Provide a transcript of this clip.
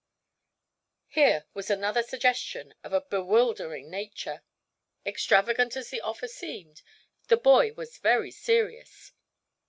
Here was another suggestion of a bewildering nature. Extravagant as the offer seemed, the boy was very serious.